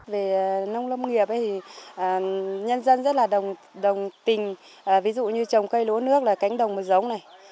về nông lâm nghiệp thì nhân dân rất là đồng tình ví dụ như trồng cây lúa nước là cánh đồng một giống này